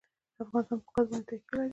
افغانستان په ګاز باندې تکیه لري.